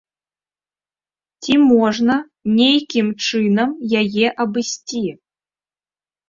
Ці можна нейкім чынам яе абысці?